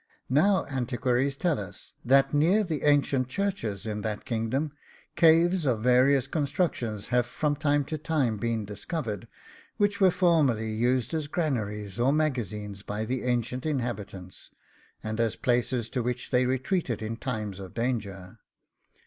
Now antiquaries tell us, that near the ancient churches in that kingdom caves of various constructions have from time to time been discovered, which were formerly used as granaries or magazines by the ancient inhabitants, and as places to which they retreated in time of danger.